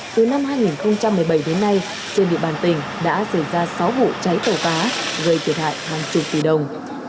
từ năm hai nghìn một mươi bảy đến nay trên địa bàn tỉnh đã xảy ra sáu vụ cháy tổ phá gây thiệt hại bằng chục tỷ đồng